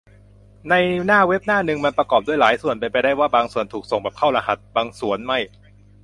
ในหน้าเว็บหน้านึง มันประกอบด้วยหลายส่วน เป็นไปได้ว่า บางส่วนถูกส่งแบบเข้ารหัส บางสวนไม่